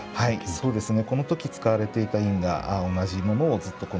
そうですね。